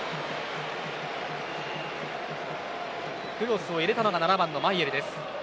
クロスを入れたのがマイェルです。